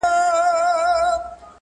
انارکلي اوښکي دي مه تویوه!!